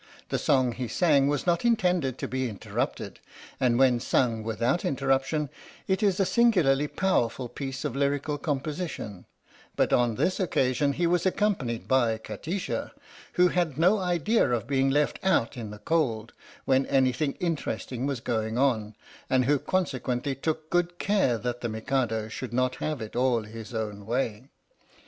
The song he sang was not intended to be interrupted and, when sung without interruption, it is a singularly powerful piece of lyrical composition. But on this occasion he was accompanied by Kati sha, who had 92 A TROUPE OF WARRIORS IN RED AND BLACK ARMOUR THE STORY OF THE MIKADO no idea of being left out in the cold when anything interesting was going on, and who consequently took good care that the Mikado should not have it all his own way.